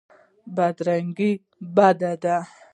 بدرنګي بد دی.